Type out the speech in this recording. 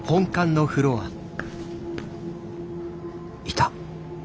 いた。